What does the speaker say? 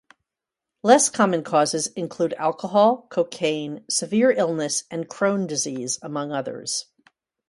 Less common causes include alcohol, cocaine, severe illness and Crohn disease, among others.